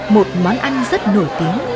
một món ăn rất nổi tiếng